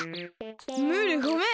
ムールごめん！